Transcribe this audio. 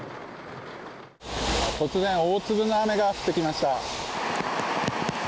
突然、大粒の雨が降ってきました。